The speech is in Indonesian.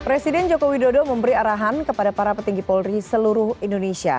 presiden joko widodo memberi arahan kepada para petinggi polri seluruh indonesia